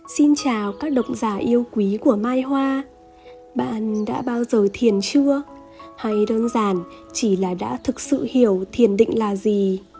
xin chào các độc giả yêu quý của mai hoa bạn đã bao giờ thiền chưa hay đơn giản chỉ là đã thực sự hiểu thiền định là gì